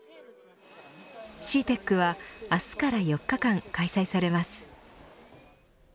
ＣＥＡＴＥＣは明日から４日間開催されます。